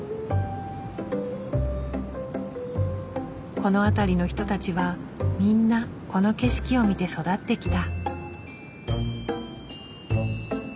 この辺りの人たちはみんなこの景色を見て育ってきた。